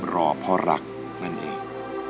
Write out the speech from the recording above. รอเพราะรักนั่นเอง